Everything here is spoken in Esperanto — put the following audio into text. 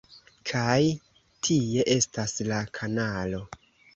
Kaj tie estas la kanalo...